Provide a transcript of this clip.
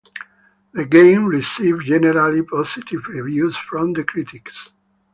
The game received generally positive reviews from the critics.